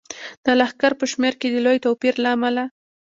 د لښکر په شمیر کې د لوی توپیر له امله.